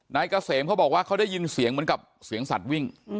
นายเกษมเขาบอกว่าเขาได้ยินเสียงเหมือนกับเสียงสัตว์วิ่ง